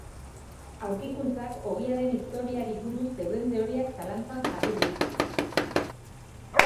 Aurkikuntzak ogiaren historiari buruz zeuden teoriak zalantzan jarri ditu.